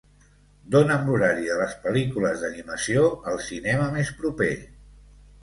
Dona'm l'horari de les pel·lícules d'animació al cinema més proper.